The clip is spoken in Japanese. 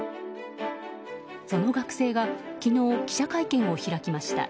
その学生が昨日、記者会見を開きました。